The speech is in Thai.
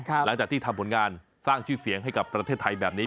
หลังจากที่ทำผลงานสร้างชื่อเสียงให้กับประเทศไทยแบบนี้